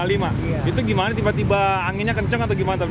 itu gimana tiba tiba anginnya kencang atau gimana